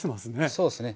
そうですね。